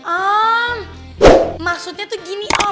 hmm maksudnya tuh gini om